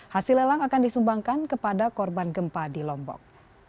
hasil lelang akan disumbangkan kepada korban gempa di lombok